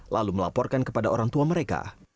lalu melaporkan kepada orang tua mereka